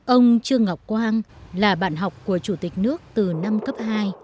ông trương ngọc quang là bạn học của chủ tịch nước từ năm cấp hai